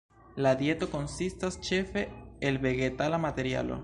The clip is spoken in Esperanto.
La dieto konsistas ĉefe el vegetala materialo.